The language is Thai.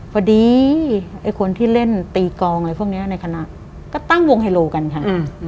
พอดีไอ้คนที่เล่นตีกองอะไรพวกนี้ในคณะก็ตั้งวงไฮโลกันค่ะ